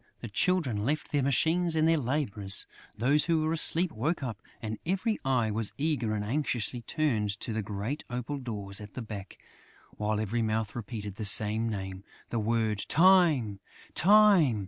The Children left their machines and their labours; those who were asleep woke up; and every eye was eagerly and anxiously turned to the great opal doors at the back, while every mouth repeated the same name. The word, "Time! Time!"